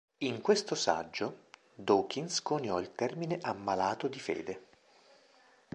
In questo saggio, Dawkins coniò il termine "ammalato di fede".